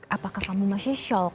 apakah kamu masih shock